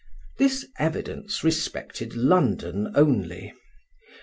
This evidence respected London only.